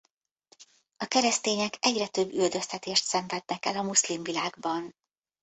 A keresztények egyre több üldöztetést szenvednek el a muszlim világban.